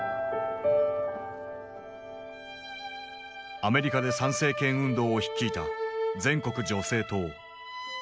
アメリカで参政権運動を率いた全国女性党。